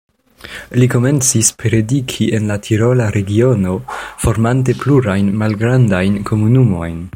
Li komencis prediki en la tirola regiono, formante plurajn malgrandajn komunumojn.